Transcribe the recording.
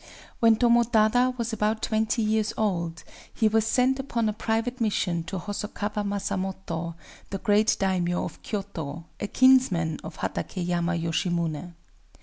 When Tomotada was about twenty years old, he was sent upon a private mission to Hosokawa Masamoto, the great daimyō of Kyōto, a kinsman of Hatakéyama Yoshimuné.